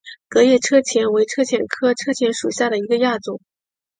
革叶车前为车前科车前属下的一个亚种。